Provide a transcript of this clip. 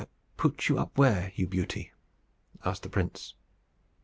"Put you up where, you beauty?" asked the prince.